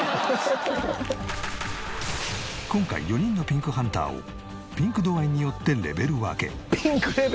今回４人のピンクハンターをピンク度合いによってレベル分け。